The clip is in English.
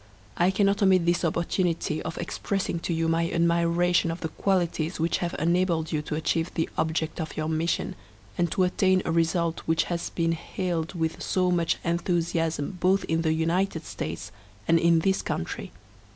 I cannot omit this opportunity, of expressing to you my admiration of the qualities which have enabled you to achieve the object of your mission, and to attain a result which has been hailed with so much enthusiasm both in the United States and in this country.